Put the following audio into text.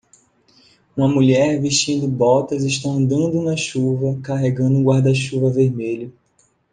Uma mulher vestindo botas está andando na chuva carregando um guarda-chuva vermelho.